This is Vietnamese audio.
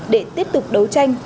để tiếp tục đấu tranh